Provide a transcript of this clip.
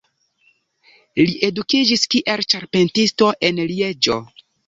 Li edukiĝis kiel ĉarpentisto en Lieĝo.